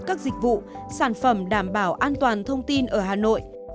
các dịch vụ sản phẩm đảm bảo an toàn thông tin ở hà nội